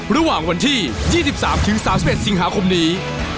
ระหว่างวันที่๒๓๓๑สิงหาคมนี้